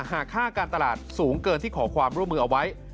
หากค่าการตลาดสูงเกินที่ขอความร่วมมือเอาไว้